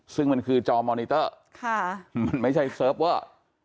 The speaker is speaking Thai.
ซึ่งมันคือจอมอนิเตอร์มันไม่ใช่เซิร์ฟเวอร์